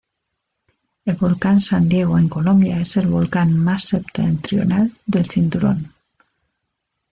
El volcán San Diego en Colombia es el volcán más septentrional del cinturón.